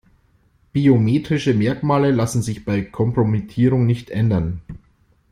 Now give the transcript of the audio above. Biometrische Merkmale lassen sich bei Kompromittierung nicht ändern.